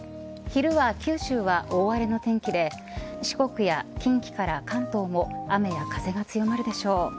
昼は九州は大荒れの天気で四国や近畿から関東も雨や風が強まるでしょう。